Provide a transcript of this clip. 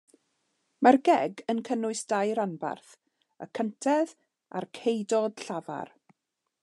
Mae'r geg yn cynnwys dau ranbarth, y cyntedd a'r ceudod llafar.